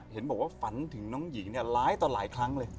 เห็นบอกว่าฝันถึงน้องหญิงร้ายต่อหลายครั้งเลย